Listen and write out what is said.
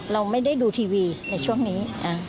เราไม่ได้ดูทีวีในช่วงนี้